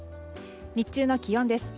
日中の気温です。